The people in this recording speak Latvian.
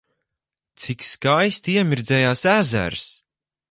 Cik skaisti iemirdzējās ezers!